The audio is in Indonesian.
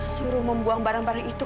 suruh membuang barang barang itu